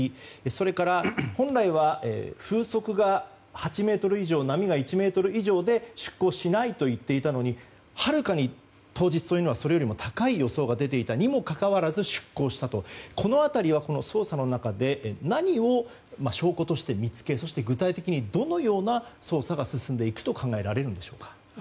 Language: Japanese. それから本来は、風速が８メートル以上、波が１ｍ以上で出航しないと言っていたのにはるかに当日というのはそれよりも高い予想が出ていたのに出港したという辺りは捜査の中で何を証拠として見つけ具体的にどのような捜査が進んでいくと考えられるのでしょうか。